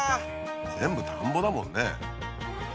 全部田んぼだもんね。